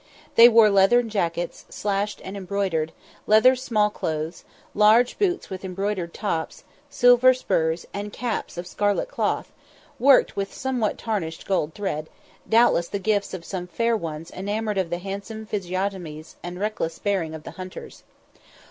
They wore leathern jackets, slashed and embroidered, leather smallclothes, large boots with embroidered tops, silver spurs, and caps of scarlet cloth, worked with somewhat tarnished gold thread, doubtless the gifts of some fair ones enamoured of the handsome physiognomies and reckless bearing of the hunters.